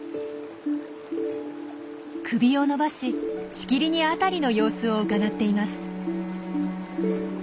首を伸ばししきりに辺りの様子をうかがっています。